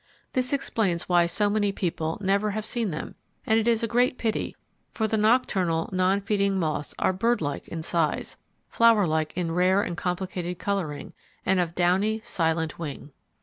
This explains why so many people never have seen them, and it is a great pity, for the nocturnal, non feeding moths are birdlike in size, flower like in rare and complicated colouring, and of downy, silent wing.